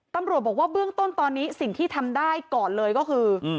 ตำรวจบอกว่าเบื้องต้นตอนนี้สิ่งที่ทำได้ก่อนเลยก็คือ